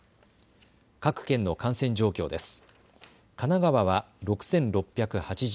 各県の感染状況です。